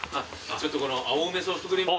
ちょっとこの青梅ソフトクリーム。